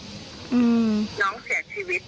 สาเหตุที่จริงคืออะไรที่ทำให้น้องเสียชีวิต